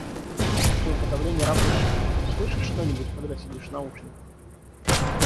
Как шумоподавление работает? Слышишь что-нибудь, когда сидишь в наушниках?